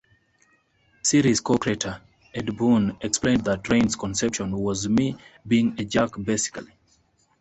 Series co-creator Ed Boon explained that Rain's conception was me being a jerk, basically.